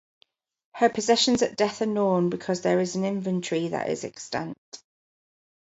Her possessions at death are known because there is an inventory that is extant.